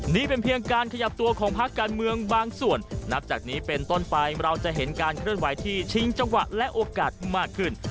นี่เป็นเพียงการขยับตัวของภาคการเมืองบางส่วนนับจากนี้เป็นต้นไปเราจะเห็นการเคลื่อนไหวที่ชิงจังหวะและโอกาสมากขึ้น